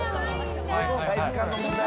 サイズ感の問題？